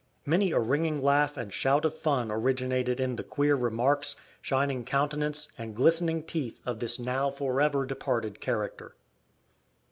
Many a ringing laugh and shout of fun originated in the queer remarks, shining countenance, and glistening teeth of this now forever departed character.